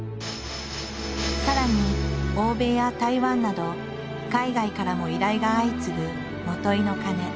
さらに欧米や台湾など海外からも依頼が相次ぐ元井の鐘。